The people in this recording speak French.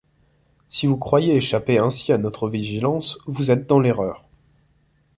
Si vous croyez échapper ainsi à notre vigilance, vous êtes dans l’erreur.